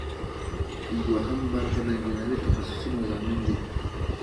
دوهم برخه د انجنیری تخصصي مضامین دي.